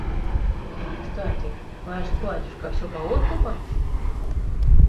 Кстати, ваш батюшка все по откупам?